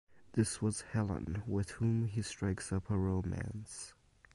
This was Helen, with whom he strikes up a romance.